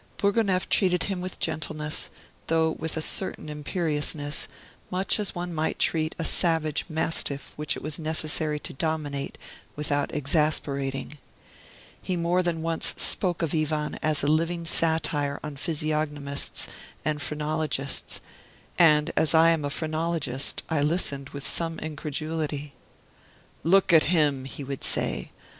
Bourgonef treated him with gentleness, though with a certain imperiousness; much as one might treat a savage mastiff which it was necessary to dominate without exasperating. He more than once spoke of Ivan as a living satire on physiognomists and phrenologists; and as I am a phrenologist, I listened with some incredulity. "Look at him," he would say.